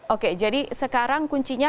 oke jadi sekarang kuncinya